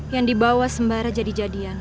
yang dibawa sembara jadi jadian